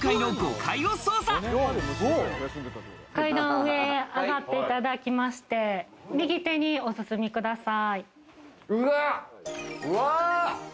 階段、上、上がっていただきまして右手にお進みください。